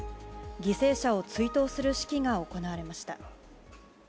犠牲者を追悼する式が行われました。